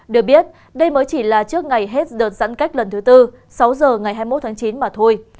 được biết đây mới chỉ là trước ngày hết đợt giãn cách lần thứ tư sáu giờ ngày hai mươi một tháng chín mà thôi